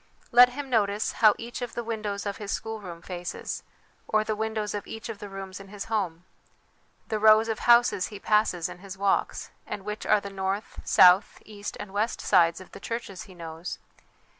Let him notice how each of the windows of his schoolroom faces, or the windows of each of the rooms in his home; the rows of houses he passes in his walks, and which are the north, south, east and west sides of the churches he knows.